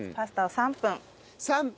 ３分。